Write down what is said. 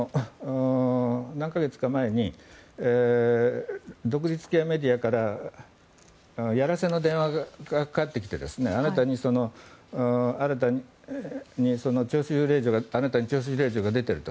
何か月か前に独立系メディアからやらせの電話がかかってきてあなたに徴集令状が出ていると。